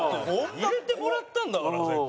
入れてもらったんだからせっかく。